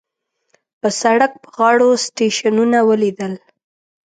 په سړک په غاړو سټیشنونه وليدل.